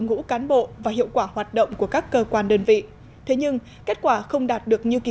ngũ cán bộ và hiệu quả hoạt động của các cơ quan đơn vị thế nhưng kết quả không đạt được như kỳ